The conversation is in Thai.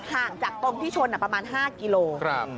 ห่างจากตรงที่ชนประมาณ๕กิโลกรัม